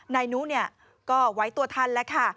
นายนุก็ไว้ตัวทันแล้วค่ะ